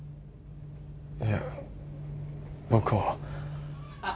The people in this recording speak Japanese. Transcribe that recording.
いえ僕は・